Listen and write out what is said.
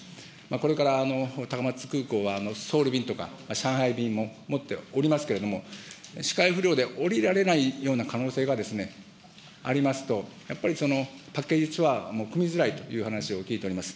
これから高松空港は、ソウル便とか、上海便も持っておりますので、視界不良で降りられないような可能性がありますと、やっぱり、パッケージツアーも組みづらいという話を聞いてあります。